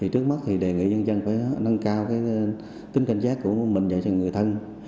trước mắt đề nghị dân dân phải nâng cao tính canh giác của mình và người thân